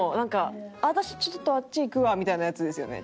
「私ちょっとあっち行くわ」みたいなやつですよね？